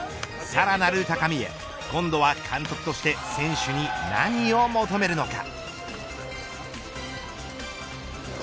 さらなる高みへ今度は監督として選手に何を求めるのか。